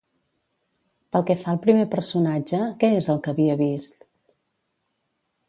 Pel que fa al primer personatge, què és el que havia vist?